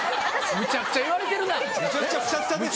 めちゃくちゃ言われてるやん！